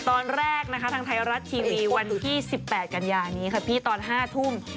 ตอนแรกนะคะทางไทยรัฐทีวีวันที่๑๘กันยานี้ค่ะพี่ตอน๕ทุ่ม